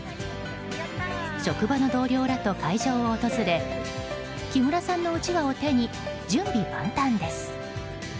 職場の同僚らと会場を訪れ木村さんのうちわを持って準備万端です。